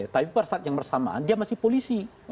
tapi pada saat yang bersamaan dia masih polisi